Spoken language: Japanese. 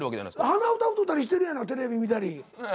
鼻歌歌たりしてるやんテレビ見たり。